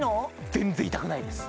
全然痛くないです